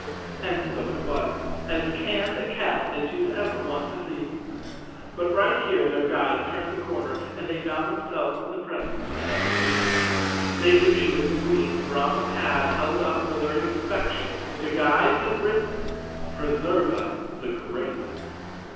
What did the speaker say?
And so it was, as canned a cat as you'd ever want to see. But right here their guide turned the corner and 211 The Cowardly Lion of Oz _ they found themselves in the presence of another Queen. They knew she was a Queen, for on the pad held up for their inspection the guide had written, "Preserva the Great."